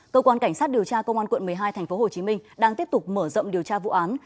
cơ quan cảnh sát điều tra công an quận một mươi hai tp hcm đang tiếp tục mở rộng điều tra vụ án